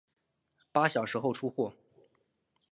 八小时后出货